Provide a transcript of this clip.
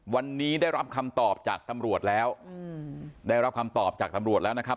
วันนี้ได้รับคำตอบจากตำรวจแล้วได้รับคำตอบจากตำรวจแล้วนะครับ